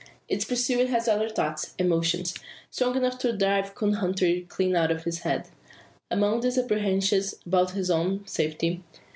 Its pursuer has other thoughts emotions, strong enough to drive coon hunting clean out of his head. Among these are apprehensions about his own safety.